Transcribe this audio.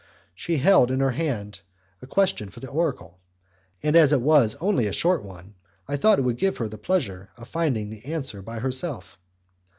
She held in her hand a question for the oracle, and as it was only a short one I thought it would give her the pleasure of finding the answer by herself.